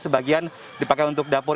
sebagian dipakai untuk dapur